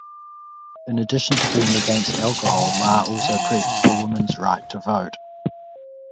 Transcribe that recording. In addition to being against alcohol, Barr also preached for women's right to vote.